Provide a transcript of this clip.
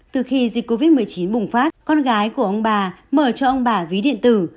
từ khi dịch covid một mươi chín bùng phát con gái của ông bà mở cho ông bà ví điện tử